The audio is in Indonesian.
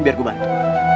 biar gua bantu